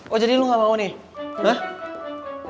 oh jadi lu gak mau nih